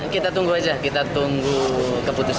kita tunggu saja kita tunggu